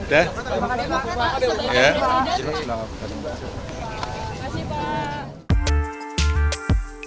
terima kasih pak